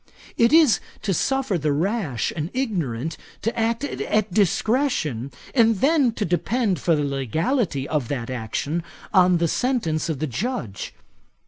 It is to suffer the rash and ignorant to act at discretion, and then to depend for the legality of that action on the sentence of the Judge.